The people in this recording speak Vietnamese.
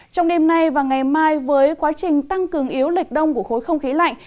trong đêm nay và ngày mai với quá trình tăng cường yếu lệch đông của khối không khí lạnh